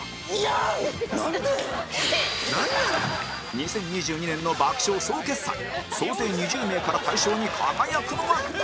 ２０２２年の爆笑総決算総勢２０名から大賞に輝くのは？